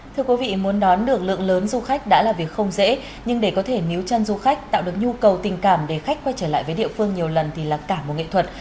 thưa quý vị muốn đón được lượng lớn du khách đã là việc không dễ nhưng để có thể níu chân du khách tạo được nhu cầu tình cảm để khách quay trở lại với địa phương nhiều lần thì là cả một nghệ thuật